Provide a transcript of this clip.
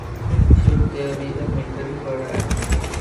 Should there be a military parade?